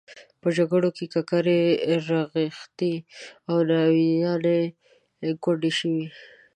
په جګړو کې ککرۍ رغښتې او ناویانې کونډې شوې.